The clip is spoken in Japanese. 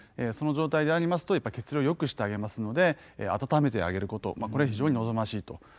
その状態でありますとやっぱ血流をよくしてあげますので温めてあげることこれは非常に望ましいと。